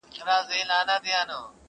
ټولوي مینه عزت او دولتونه.